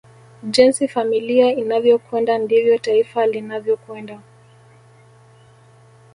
Jinsi familia inavyokwenda ndivyo taifa linavyokwenda